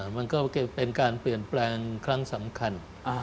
มันก็เป็นการเปลี่ยนแปลงครั้งสำคัญ